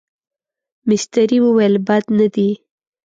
مستري وویل بد نه دي.